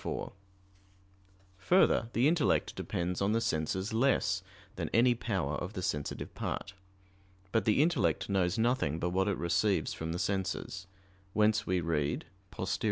4: Further, the intellect depends on the senses less than any power of the sensitive part. But the intellect knows nothing but what it receives from the senses; whence we read (Poster.